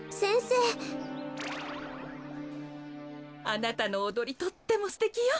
あなたのおどりとってもすてきよ。